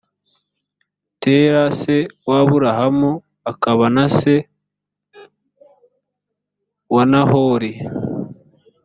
tera se w’aburahamu akaba na se wa nahori